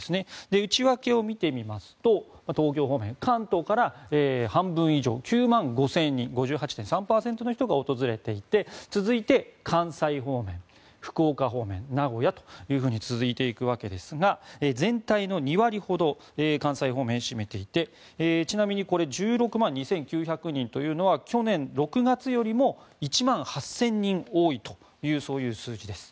内訳を見てみますと東京方面、関東から半分以上９万５０００人５８．３％の人が訪れていて続いて関西方面福岡方面、名古屋と続いていくわけですが全体の２割ほど関西方面が占めていてちなみにこれは１６万２９００人というのは去年６月よりも１万８０００人多いという数字です。